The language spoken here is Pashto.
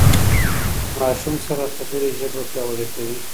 د ماشوم سره خبرې ژبه پياوړې کوي.